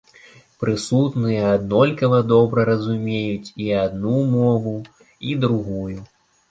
Прысутныя аднолькава добра разумець і адну мову, і другую.